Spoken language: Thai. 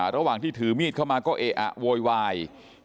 ระหว่างที่ถือมีดเข้ามาก็เออะโวยวาย